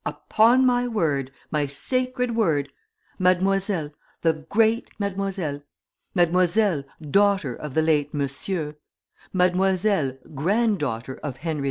upon my word! my sacred word! Mademoiselle, the great Mademoiselle, Mademoiselle daughter of the late Monsieur, Mademoiselle grand daughter of Henry IV.